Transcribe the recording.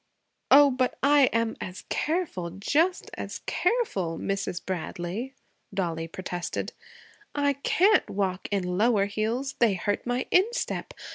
'Oh, but I'm as careful, just as careful, Mrs. Bradley!' Dollie protested. 'I can't walk in lower heels. They hurt my instep.